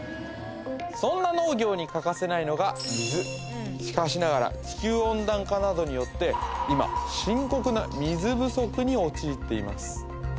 そんな農業に欠かせないのが水しかしながら地球温暖化などによって今深刻な水不足に陥っています